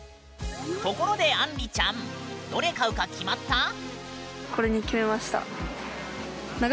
ところであんりちゃんどれ買うか決まった？